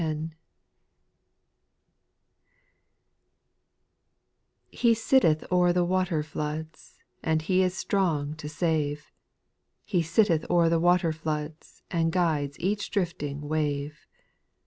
TJE sitteth o'er tbe waterfloods, XI And He is strong to save ; He sitteth o'er the waterfloods, And guides each drifting wave.